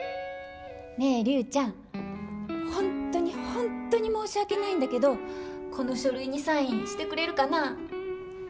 ねえ竜ちゃん、本当に本当に申し訳ないんだけど、この書類にサインしてくれるかな。